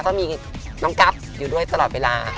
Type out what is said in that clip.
ก็มีน้องกัฟอยู่ด้วยตลอดเวลา